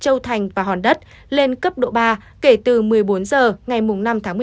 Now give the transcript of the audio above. châu thành và hòn đất lên cấp độ ba kể từ một mươi bốn h ngày năm tháng một mươi một